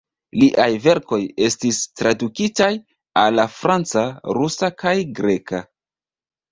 Liaj verkoj estis tradukitaj al la franca, rusa kaj greka.